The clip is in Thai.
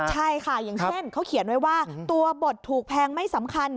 ใช่ค่ะอย่างเช่นเขาเขียนไว้ว่าตัวบทถูกแพงไม่สำคัญ